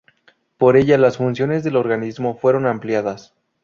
Por ella las funciones del organismo fueron ampliadas.